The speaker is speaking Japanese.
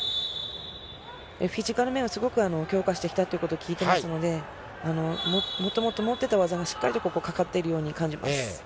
フィジカル面をすごく強化してきたということを聞いてますので、もともと持っていた技がしっかりとここ、かかっているように感じます。